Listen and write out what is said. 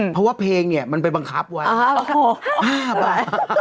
เพราะว่าเพลงเนี่ยมันไปบังคับไว้๕บาท